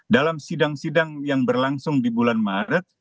dalam sidang sidang yang berlangsung di bulan maret